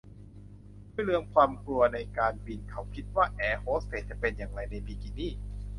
เพื่อลืมความกลัวในการบินเขาคิดว่าแอร์โฮสเตสจะเป็นอย่างไรในบิกินี่